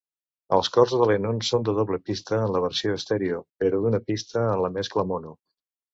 Els cors de Lennon són de doble pista en la versió estèreo, però d'una pista en la mescla mono.